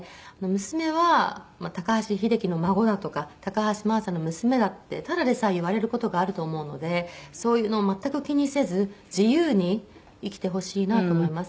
娘は高橋英樹の孫だとか高橋真麻の娘だってただでさえ言われる事があると思うのでそういうのを全く気にせず自由に生きてほしいなと思います。